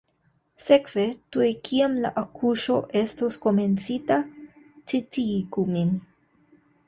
Sekve tuj kiam la akuŝo estos komencita, sciigu min.